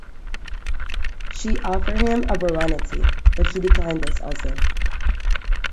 She offered him a baronetcy, but he declined this also.